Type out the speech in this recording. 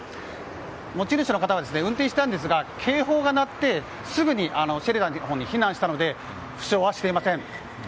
持ち主の方は運転していたんですが警報が鳴ってすぐにシェルターの方に避難したので負傷はしていません。